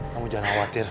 kamu jangan khawatir